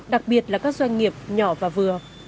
đặc biệt là các doanh nghiệp nhỏ và vừa